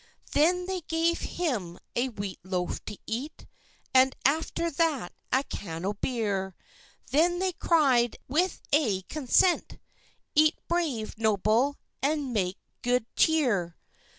Then they gave him a wheat loaf to eat, And after that a can o beer; Then they cried a' with ae consent, "Eat, brave Noble, and make gude cheer!